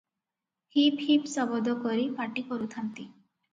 Hip hip ଶବଦ କରି ପାଟି କରୁଥାନ୍ତି ।